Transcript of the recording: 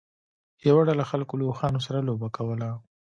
یوه ډله خلکو له اوښانو سره لوبه کوله.